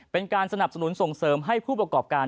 เป็นการสนับสนุนส่งเสริมให้ผู้ประกอบการ